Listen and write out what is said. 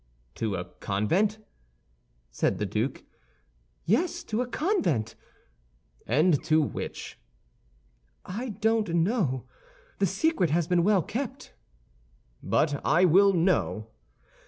"To a convent?" said the duke. "Yes, to a convent." "And to which?" "I don't know; the secret has been well kept." "But I will know!"